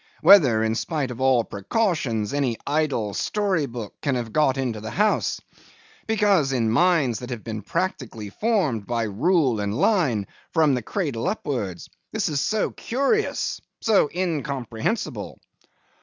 Whether, in spite of all precautions, any idle story book can have got into the house? Because, in minds that have been practically formed by rule and line, from the cradle upwards, this is so curious, so incomprehensible.